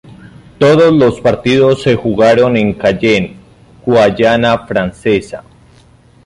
Todos los partidos se jugaron en Cayenne, Guayana Francesa.